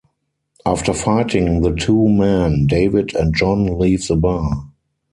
After fighting the two men David and John leave the bar.